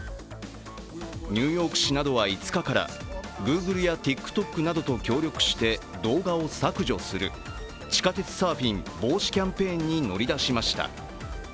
ニューヨーク市などは５日からＧｏｏｇｌｅやＴｉｋＴｏｋなどと協力して動画を削除する地下鉄サーフィン防止キャンペーンに乗り出しました。